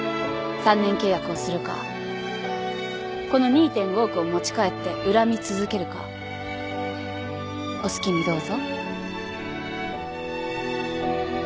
３年契約をするかこの２．５億を持ち帰って恨み続けるかお好きにどうぞ。